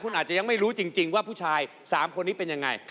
คุณอาจจะยังไม่รู้จริงว่าผู้ชาย๓คนนี้เป็นยังไง